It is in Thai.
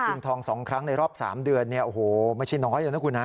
ถึงทองสองครั้งในรอบสามเดือนเนี้ยโอ้โหไม่ใช่น้อยนะคุณฮะ